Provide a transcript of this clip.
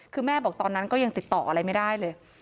คือแม่บอกตอนนั้นก็ยังติดต่ออะไรไม่ได้เลย